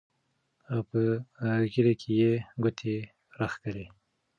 او پۀ ږيره کښې يې ګوتې راښکلې